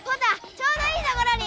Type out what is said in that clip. ちょうどいいところに！